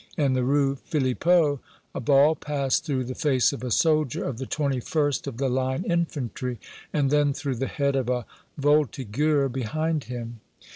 In the Rue Philippeaux a ball passed through the face of a soldier of the 21st of the Line infantry, and then through the head of a voltigeur behind him.